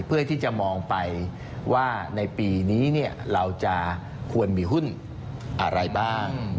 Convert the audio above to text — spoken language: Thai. เพื่อที่จะมองไปว่าในปีนี้เราจะควรมีหุ้นอะไรบ้าง